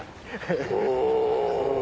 お。